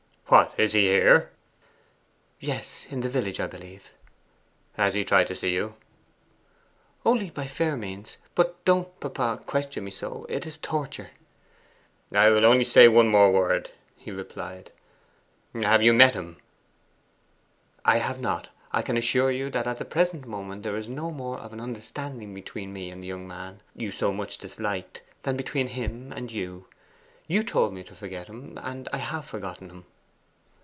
What, is he here?' 'Yes; in the village, I believe.' 'Has he tried to see you?' 'Only by fair means. But don't, papa, question me so! It is torture.' 'I will only say one word more,' he replied. 'Have you met him?' 'I have not. I can assure you that at the present moment there is no more of an understanding between me and the young man you so much disliked than between him and you. You told me to forget him; and I have forgotten him.